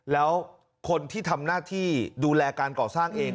แล้วคนที่ทำหน้าที่ดูแลการก่อสร้างเอง